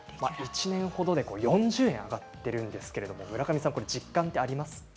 １年ほどで４０円上がっているんですけれども村上さん、実感はありますか。